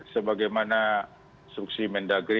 sebagaimana struksi mendagri